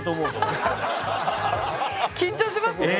緊張しますね。